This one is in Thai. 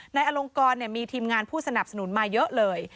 อลงกรมีทีมงานผู้สนับสนุนมาเยอะเลย